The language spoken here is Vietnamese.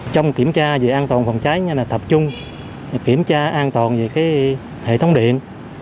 trong kiểm tra về an toàn phòng cháy thập trung kiểm tra an toàn về hệ thống điện